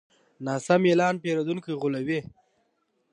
ناسم اعلان پیرودونکي غولوي.